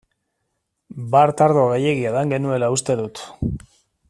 Bart ardo gehiegi edan genuela uste dut.